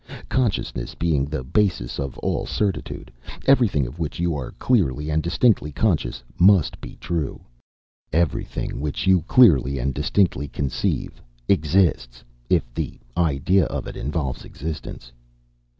Consciousness being the basis of all certitude, everything of which you are clearly and distinctly conscious must be true: everything which you clearly and distinctly conceive, exists, if the idea of it involve existence."